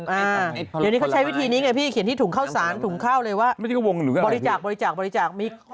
เดี๋ยวนี้เขาใช้วิธีนี้ไงพี่เขียนที่ถุงข้าวสารถุงข้าวเลยว่าบริจาคบริจาค